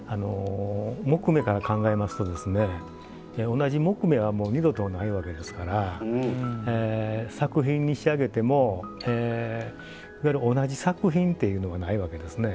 木目から考えますと同じ木目は二度とないわけですから作品に仕上げてもいわゆる、同じ作品っていうのがないわけですね。